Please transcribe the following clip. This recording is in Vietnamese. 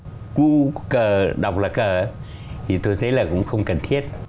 tôi cho rằng cái việc ba cái chữ ca cu cờ đọc là cờ thì tôi thấy là cũng không cần thiết